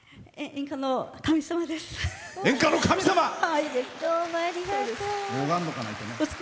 演歌の神様です。